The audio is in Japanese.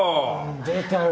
出たよ